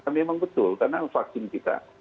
memang betul karena vaksin kita